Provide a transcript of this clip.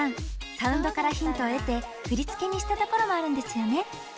サウンドからヒントを得て振り付けにしたところもあるんですよね？